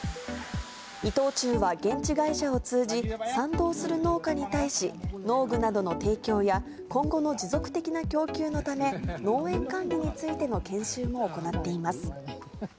伊藤忠は現地会社を通じ、賛同する農家に対し、農具などの提供や今後の持続的な供給のため、農園管理についての研修も行っています。